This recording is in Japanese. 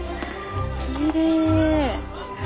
きれい。